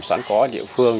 sẵn có ở địa phương